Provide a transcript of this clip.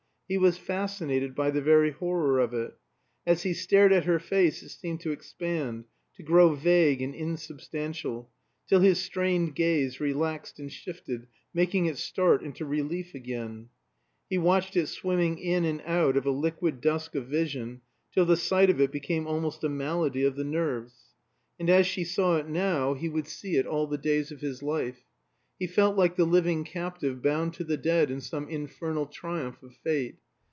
He was fascinated by the very horror of it; as he stared at her face it seemed to expand, to grow vague and insubstantial, till his strained gaze relaxed and shifted, making it start into relief again. He watched it swimming in and out of a liquid dusk of vision, till the sight of it became almost a malady of the nerves. And as she saw it now he would see it all the days of his life. He felt like the living captive bound to the dead in some infernal triumph of Fate.